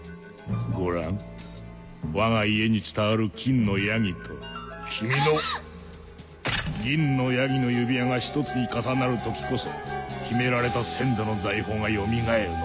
ご覧わが家に伝わる金の山羊と君の銀の山羊の指輪が１つに重なる時こそ秘められた先祖の財宝がよみがえるのだ。